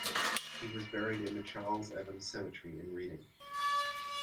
He was buried in the Charles Evans Cemetery in Reading.